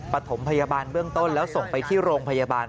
ปฐมพยาบาลเบื้องต้นแล้วส่งไปที่โรงพยาบาล